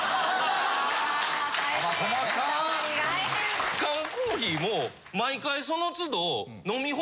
・細か・・大変・缶コーヒーも毎回その都度。